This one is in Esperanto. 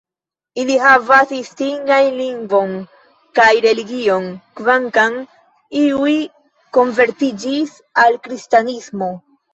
Ili havas distingajn lingvon kaj religion, kvankam iuj konvertiĝis al Kristanismo.